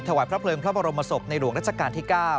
ถวายพระเพลิงพระบรมศพในหลวงรัชกาลที่๙